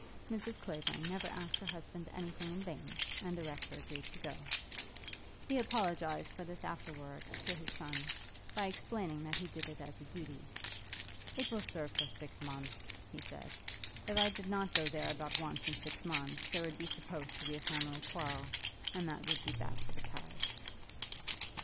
Mrs. Clavering never asked her husband anything in vain, and the rector agreed to go. He apologized for this afterwards to his son by explaining that he did it as a duty. "It will serve for six months," he said. "If I did not go there about once in six months, there would be supposed to be a family quarrel, and that would be bad for the parish."